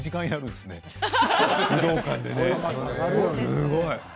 すごい。